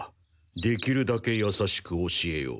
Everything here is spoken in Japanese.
できるだけ優しく教えよう。